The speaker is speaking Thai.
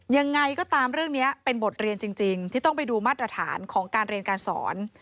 ยังไงก็ตามเรื่องนี้เป็นบทเรียนจริงที่ต้องไปดูมาตรฐานของการเรียนการสอน